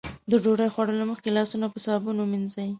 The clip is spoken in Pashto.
د ډوډۍ خوړلو مخکې لاسونه په صابون ومينځئ.